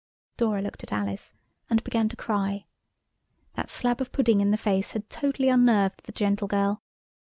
Dora looked at Alice and began to cry. That slab of pudding in the face had totally unnerved the gentle girl.